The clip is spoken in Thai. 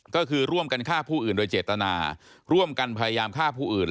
ก็คือร่วมกันฆ่าผู้อื่นโดยเจตนาร่วมกันพยายามฆ่าผู้อื่น